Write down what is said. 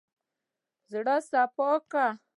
زړه سپا کړه.